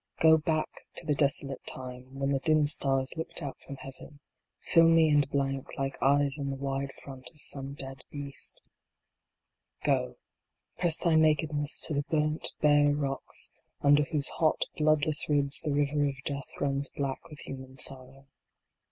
Go back to the desolate time when the dim stars looked out from Heaven, filmy and blank, like eyes in the wide front of some dead beast Go, press thy nakedness to the burnt, bare rocks, under whose hot, bloodless ribs the River of Death runs black with human sorrow.